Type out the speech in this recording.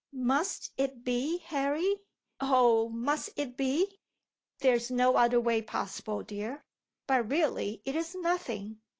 "Must it be, Harry? Oh! must it be?" "There is no other way possible, dear. But really, it is nothing.